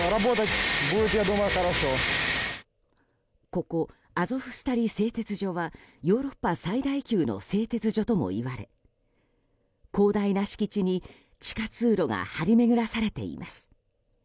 ここ、アゾフスタリ製鉄所はヨーロッパ最大級の製鉄所ともいわれ広大な敷地に地下通路が張り巡らされています。